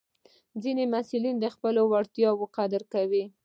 ځینې محصلین د خپلو وړتیاوو قدر کوي.